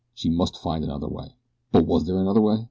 She must find another way! But was there another way?